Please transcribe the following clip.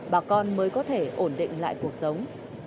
bà con mới có thể ổn định lại cuộc sống